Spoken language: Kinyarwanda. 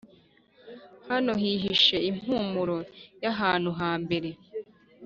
hano hihishe impumuro yahantu hambere,